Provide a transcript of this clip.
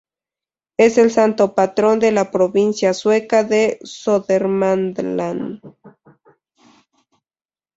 Es el santo patrón de la provincia sueca de Södermanland.